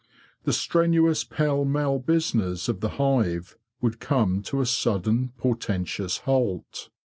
The strenuous pell mell business of the hive would come to a sudden portentous halt.